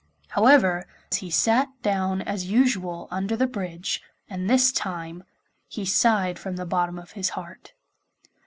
However, he sat down as usual under the bridge, and this time he sighed from the bottom of his heart.